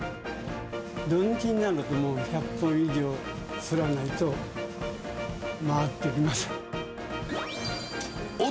土日になると、もう１００本以上作らないと、回っていきません。